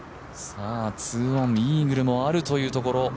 ２オン、イーグルもあるというところ。